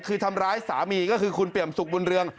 คือทำร้ายสามีก็คือคุณเปี่ยมสุขบุญเรือง